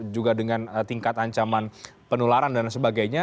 juga dengan tingkat ancaman penularan dan sebagainya